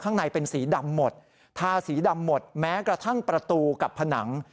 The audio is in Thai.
ข้างในเป็นสีดำหมดทาสีดำหมดแม้กระทั่งประตูกับผนัง